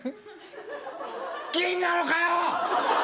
銀なのかよ！